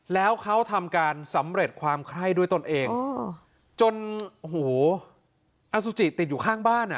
แล้วเขาทำการสำเร็จความไข้ด้วยตนเองจนโอ้โหอสุจิติดอยู่ข้างบ้านอ่ะ